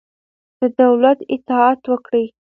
د دولت اطاعت وکړئ.